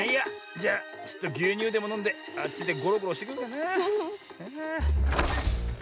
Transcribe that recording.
じゃちょっとぎゅうにゅうでものんであっちでごろごろしてくるかなあ。